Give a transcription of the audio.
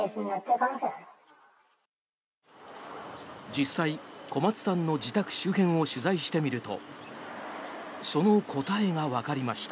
実際、小松さんの自宅周辺を取材してみるとその答えがわかりました。